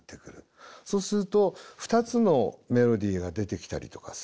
そうすると２つのメロディーが出てきたりとかする。